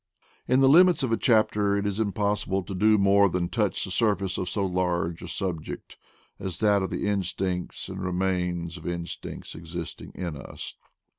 In the limits of a chapter it is impossible to do THE PLAINS OP PATAGONIA 223 more than touch the surface of so large a subject as that of the instincts and remains of instincts existing in us.